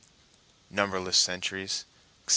"Numberless centuries," etc.